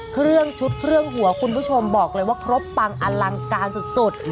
เครื่องชุดเครื่องหัวคุณผู้ชมบอกเลยว่าครบปังอลังการสุด